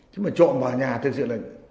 chứ mà trộm vào nhà thật sự là